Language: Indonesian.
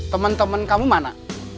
teman teman kamu mana